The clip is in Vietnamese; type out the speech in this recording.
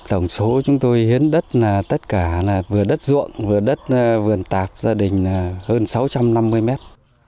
tổng số chúng tôi hiến đất là tất cả là vừa đất ruộng vừa đất vườn tạp gia đình hơn sáu trăm năm mươi mét